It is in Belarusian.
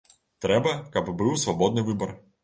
Трэба, каб быў свабодны выбар.